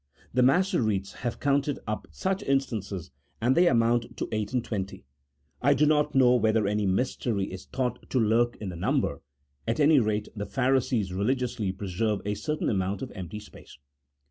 The Massoretes have counted up such instances, and they amount to eight and twenty. I do not know whether any mystery is thought to lurk in the number, at any rate the Pharisees religiously preserve a certain amount of empty space.